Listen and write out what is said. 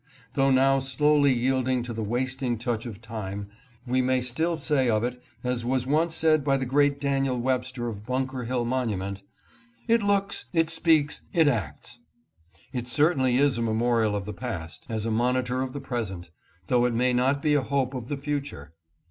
Though now slowly yield ing to the wasting touch of Time, we may still say of it as was once said by the great Daniel Webster of Bun ker Hill Monument :" It looks, it speaks, it acts." It certainly is a memorial of the past, a monitor of the present, though it may not be a hope of the future.